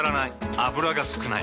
油が少ない。